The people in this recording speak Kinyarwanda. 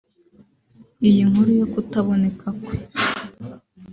Iyi nkuru yo kutaboneka kwe